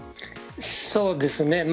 そうですね。